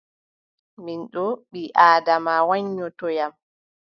Min ɗo, ɓii-Aadama waƴƴotoyam.